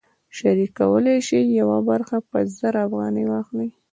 شریک کولی شي یوه برخه په زر افغانۍ واخلي